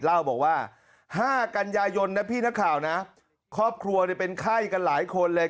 เล่าบอกว่า๕กันยายนนะพี่นักข่าวนะครอบครัวเป็นไข้กันหลายคนเลย